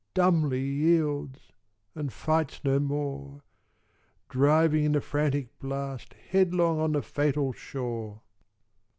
Dumbly yields, and fights no more; Driving, in the frantic blast, Headlong on the fatal shore.